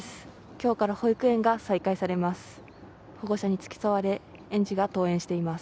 今日から保育園が再開されます。